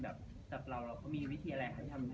แต่ว่าตื่นเช้ามาเดี๋ยวก็มาหาแม่เหมือนเดิม